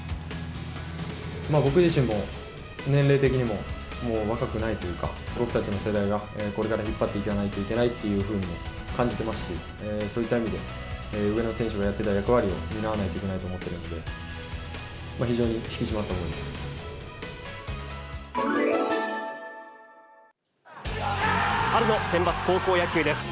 僕自身も年齢的にも、もう若くないというか、僕たちの世代がこれから引っ張っていかないといけないというふうに感じていますし、そういった意味で、上の選手がやっていた役割を担わないといけないと思うので、春のセンバツ高校野球です。